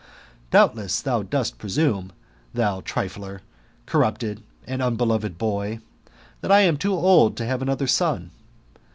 Doubtless thou dost presume, thou trifler, corrupted and unbeloved boy, that I am too old to have another son.